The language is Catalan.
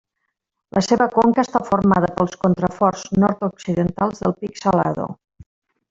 La seva conca està formada pels contraforts nord-occidentals del Pic Salado.